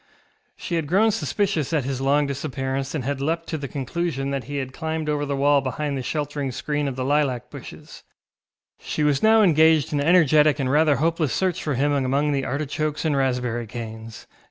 She had grown suspicious at his long disappearance, and had leapt to the conclusion that he had climbed over the wall behind the sheltering screen of the lilac bushes; she was now engaged in energetic and rather hopeless search for him among the artichokes and raspberry canes.